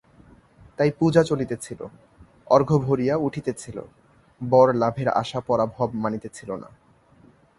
তাই পূজা চলিতেছিল, অর্ঘ্য ভরিয়া উঠিতেছিল, বরলাভের আশা পরাভব মানিতেছিল না।